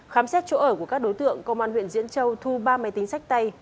khám xét chỗ ở của các đối tượng công an huyện diễn châu thu ba máy tính sách tay